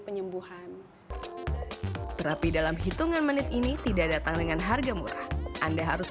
penyembuhan terapi dalam hitungan menit ini tidak datang dengan harga murah anda harus